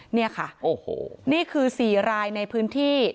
นี่ค่ะโอ้โหนี่คือ๔รายในพื้นที่